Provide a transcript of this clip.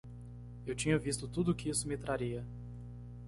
Eu tinha visto tudo o que isso me traria.